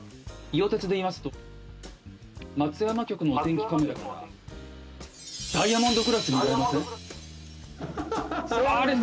伊予鉄でいいますと松山局のお天気カメラからダイヤモンドクロス見られません？